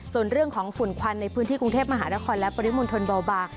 ส่วนเรื่องของฝุ่นควันในพื้นที่กรุงเทพฯมฮและปริมมอนธนบ่า